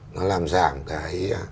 nó làm giảm cái